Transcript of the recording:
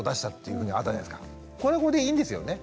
これはこれでいいんですよね？